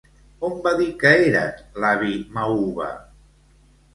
On va dir que eren, l'avi Mauva?